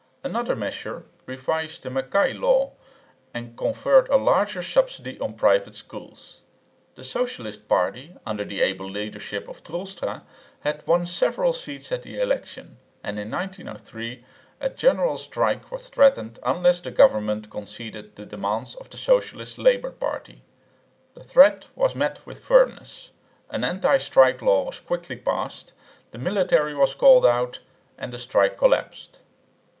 Another measure revised the Mackay Law and conferred a larger subsidy on "private" schools. The socialist party under the able leadership of Troelstra had won several seats at the election; and in 1903 a general strike was threatened unless the government conceded the demands of the socialist labour party. The threat was met with firmness; an anti strike law was quickly passed; the military was called out; and the strike collapsed.